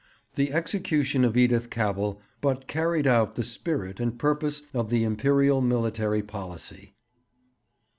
The execution of Edith Cavell but carried out the spirit and purpose of the Imperial military policy.'